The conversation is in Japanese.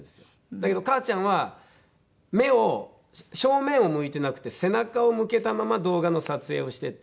だけど母ちゃんは目を正面を向いてなくて背中を向けたまま動画の撮影をしてて。